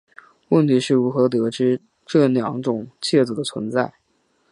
问题是如何得知这两种介子的存在。